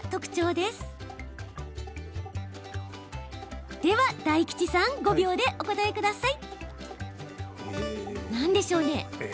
では、大吉さん５秒でお答えください。